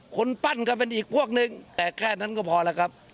คนปั้นก็เป็นอีกพวกนึงแต่แค่นั้นก็พอแล้วครับ